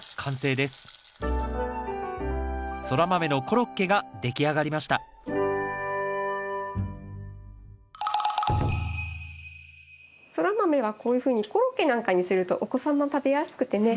ソラマメのコロッケが出来上がりましたソラマメはこういうふうにコロッケなんかにするとお子さんも食べやすくてね。